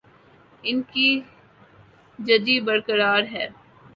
ان کی ججی برقرار ہے۔